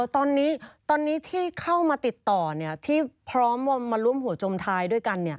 ตอนนี้ที่เข้ามาติดต่อที่พร้อมมาร่วมหัวจมท้ายด้วยกัน